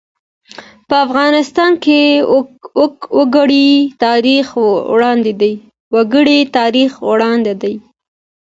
په افغانستان کې د وګړي تاریخ اوږد دی.